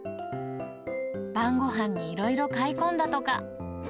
晩ごはんにいろいろ買い込んだとか。